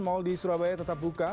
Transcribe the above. mal di surabaya tetap buka